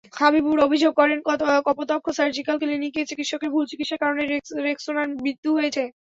হাবিবুর অভিযোগ করেন, কপোতাক্ষ সার্জিক্যাল ক্লিনিকে চিকিৎসকের ভুল চিকিৎসার কারণে রেক্সোনার মৃত্যু হয়েছে।